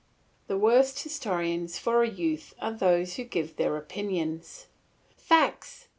The worst historians for a youth are those who give their opinions. Facts!